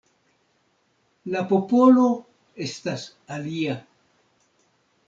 La popolo estas alia.